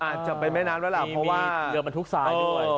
อาจจะเป็นแม่น้ำแล้วล่ะเพราะว่าเรือมันทุกซ้ายด้วย